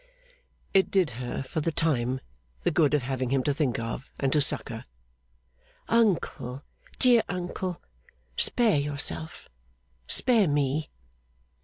It did her, for the time, the good of having him to think of and to succour. 'Uncle, dear uncle, spare yourself, spare me!